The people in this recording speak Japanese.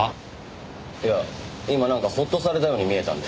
いや今なんかホッとされたように見えたんで。